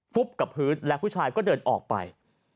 กับพื้นและผู้ชายก็เดินออกไป